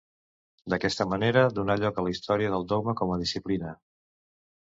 D'aquesta manera donà lloc a la història del dogma com a disciplina.